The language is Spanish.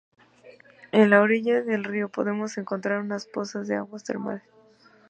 En la orilla del río podemos encontrar unas pozas de aguas termales.